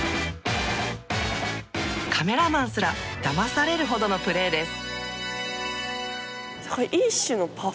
カメラマンすらだまされるほどのプレーです。